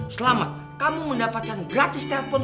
selamat kamu mendapatkan gratis telpon